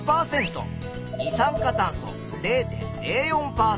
二酸化炭素０．０４％。